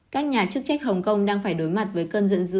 các nhà chức trách hồng kông đang phải đối mặt với cơn dẫn dữ